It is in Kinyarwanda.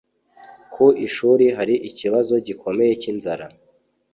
Ku ishuri hari ikibazo gikomeye cy’inzara